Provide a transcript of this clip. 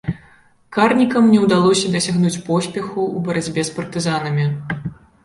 Карнікам не ўдалося дасягнуць поспеху ў барацьбе з партызанамі.